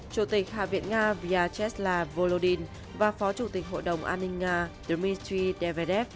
chủ tịch hạ viện nga vyacheslav volodin và phó chủ tịch hội đồng an ninh nga dmitry dvidev